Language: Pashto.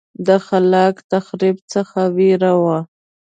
د خلاق تخریب څخه وېره وه.